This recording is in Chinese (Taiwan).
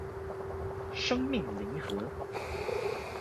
生命零和